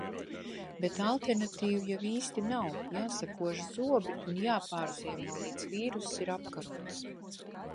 Bet alternatīvu jau īsti nav. Jāsakož zobi un jāpārziemo, līdz vīruss ir apkarots.